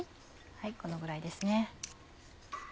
このぐらいですね。